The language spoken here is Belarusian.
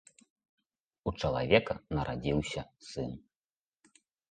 У чалавека нарадзіўся сын.